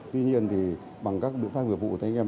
tuy nhiên bằng các biện pháp vượt vụ